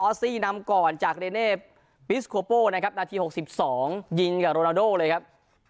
ซี่นำก่อนจากเรเน่ปิสโคโป้นะครับนาที๖๒ยิงกับโรนาโดเลยครับ